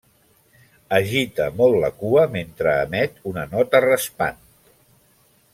Agita molt la cua mentre emet una nota raspant.